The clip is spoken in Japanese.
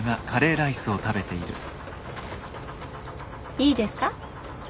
いいですか？